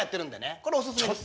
これお勧めです。